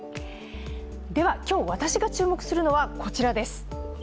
では今日、私が注目するのはこちらです。